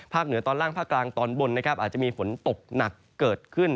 เหนือตอนล่างภาคกลางตอนบนนะครับอาจจะมีฝนตกหนักเกิดขึ้น